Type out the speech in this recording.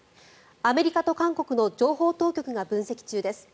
アメリカと韓国の情報当局が分析中です。